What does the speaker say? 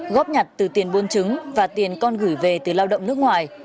góp nhặt từ tiền buôn trứng và tiền con gửi về từ lao động nước ngoài